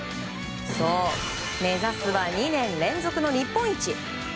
そう、目指すは２年連続の日本一。